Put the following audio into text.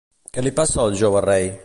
Què li passa al jove rei?